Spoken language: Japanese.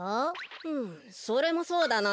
うむそれもそうだな。